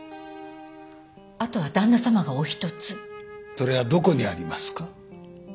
それはどこにありますか？